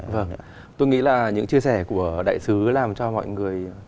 vâng tôi nghĩ là những chia sẻ của đại sứ làm cho mọi người